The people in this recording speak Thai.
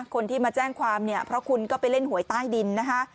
คนที่มาแจ้งความเพราะคุณก็ไปเล่นหวยใต้ดิน